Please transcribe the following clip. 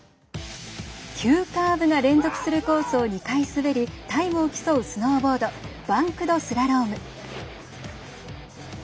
急カーブが連続するコースを２回滑りタイムを競うスノーボードバンクドスラローム。